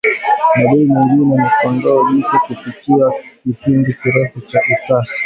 Dalili nyingine ni kondoo jike kupitia kipindi kirefu cha utasa